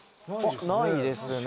ないですね